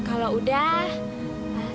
padahal kalau udah ama pepper pak ya